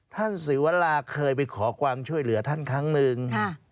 ศิวราเคยไปขอความช่วยเหลือท่านครั้งหนึ่ง